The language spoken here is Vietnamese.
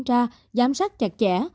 và giám sát chặt chẽ